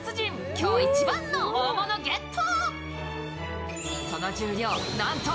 今日一番の大物ゲット！